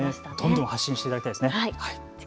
どんどん発信していただきたいですね。